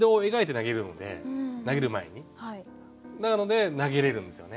なので投げれるんですよね。